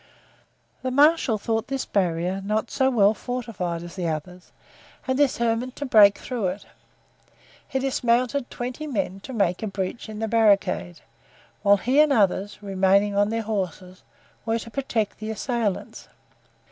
The marshal thought this barrier not so well fortified as the others and determined to break through it. He dismounted twenty men to make a breach in the barricade, whilst he and others, remaining on their horses, were to protect the assailants.